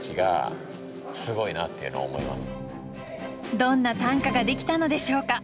どんな短歌ができたのでしょうか？